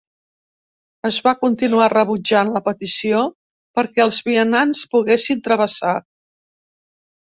Es va continuar rebutjant la petició perquè els vianants poguessin travessar.